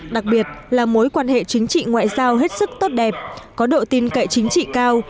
đặc biệt là mối quan hệ chính trị ngoại giao hết sức tốt đẹp có độ tin cậy chính trị cao